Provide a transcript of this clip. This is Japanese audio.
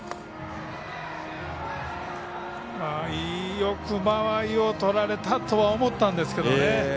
よく間合いを取られたとは思ったんですけどね。